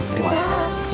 terima kasih pak